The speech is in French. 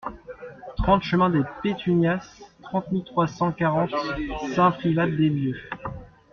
trente chemin des Pétunias, trente mille trois cent quarante Saint-Privat-des-Vieux